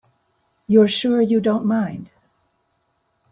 You're sure you don't mind?